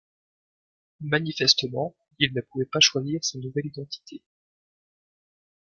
Manifestement, il ne pouvait pas choisir sa nouvelle identité.